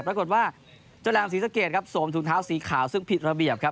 ปรากฏว่าเจ้าแหลมศรีสะเกดครับสวมถุงเท้าสีขาวซึ่งผิดระเบียบครับ